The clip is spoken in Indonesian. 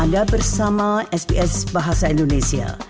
anda bersama sbs bahasa indonesia